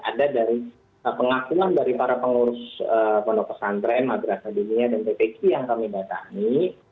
ada dari pengakuan dari para pengurus pondok pesantren madrasah dunia dan ppki yang kami datangi